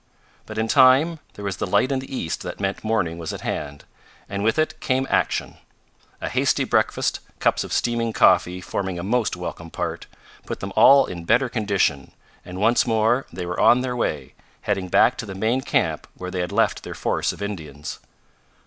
But in time there was the light in the east that meant morning was at hand, and with it came action. A hasty breakfast, cups of steaming coffee forming a most welcome part, put them all in better condition, and once more they were on their way, heading back to the main camp where they had left their force of Indians.